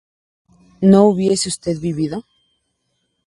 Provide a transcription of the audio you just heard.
¿no hubiese usted vivido?